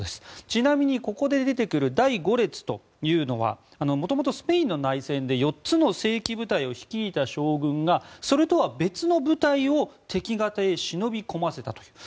ちなみにここで出てくる第五列というのは元々、スぺインの内戦で４つの正規部隊を率いた将軍がそれとは別の部隊を敵方へ忍び込ませたという。